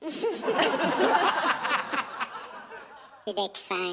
英樹さん